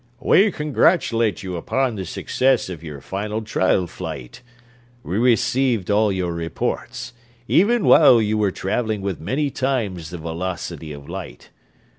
"We congratulate you upon the success of your final trial flight. We received all your reports, even while you were traveling with many times the velocity of light.